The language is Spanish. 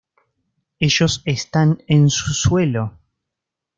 Ellos están en su suelo.